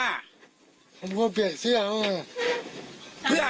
ทำไมคุณถึงทำกับคนแบบนี้ผมก็ใช้ผมมาขอน้ำมอลผมมา